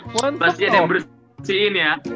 pasti ada yang bersihin ya